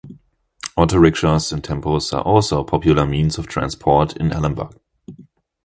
Autorickshaws and Tempos are also a popular means of transport in Alambagh.